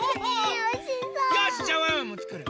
よしっじゃあワンワンもつくる！